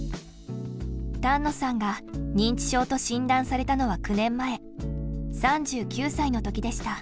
丹野さんが認知症と診断されたのは９年前３９歳の時でした。